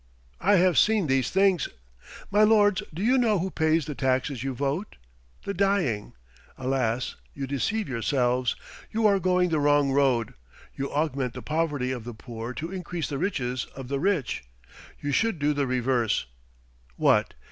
I have seen these things! My lords, do you know who pays the taxes you vote? The dying! Alas! you deceive yourselves. You are going the wrong road. You augment the poverty of the poor to increase the riches of the rich. You should do the reverse. What!